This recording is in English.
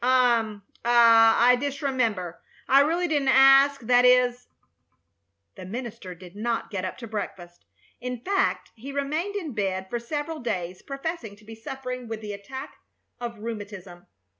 Um ah I disremember! I really didn't ask That is " The minister did not get up to breakfast, In fact, he remained in bed for several days, professing to be suffering with an attack of rheumatism.